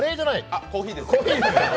あっ、コーヒーです。